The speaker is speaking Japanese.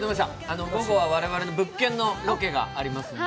午後は我々の物件のロケがありますので。